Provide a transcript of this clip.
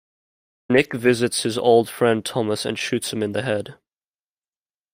Nick visits his old friend Thomas and shoots him in the head.